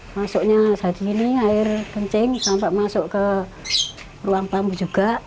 masuknya daging ini air kencing sampai masuk ke ruang bambu juga